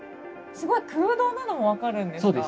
すごい空洞なのも分かるんですか？